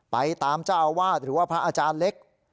ไปตามเจ้าอาวาสหรือว่าพระอาจารย์เล็ก